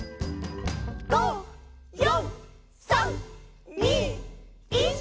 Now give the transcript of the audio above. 「５、４、３、２、１」